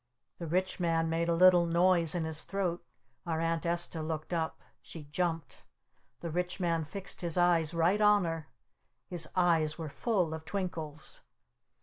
The Rich Man made a little noise in his throat. Our Aunt Esta looked up. She jumped. The Rich Man fixed his eyes right on her. His eyes were full of twinkles.